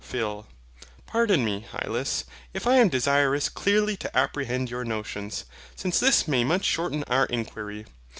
PHIL. Pardon me, Hylas, if I am desirous clearly to apprehend your notions, since this may much shorten our inquiry.